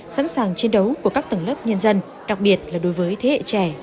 sẵn sàng chiến đấu của các tầng lớp nhân dân đặc biệt là đối với thế hệ trẻ